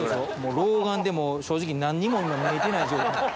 老眼でもう正直何にも見えてない状態。